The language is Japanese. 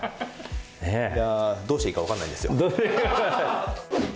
いやあどうしていいかわからないんですよ。